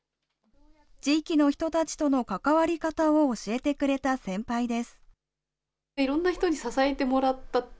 地域の人たちとの関わり方を教えてくれた先輩です。